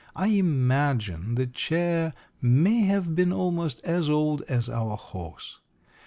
I imagine the chair may have been almost as old as our horse.